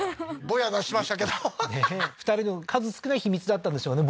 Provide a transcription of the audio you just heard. ボヤ出しましたけど２人の数少ない秘密だったんでしょうね